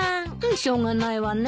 しょうがないわね。